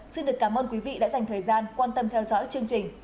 xin được cảm ơn quý vị đã dành thời gian quan tâm theo dõi chương trình